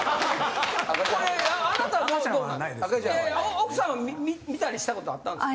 奥さんは見たりした事あったんですか？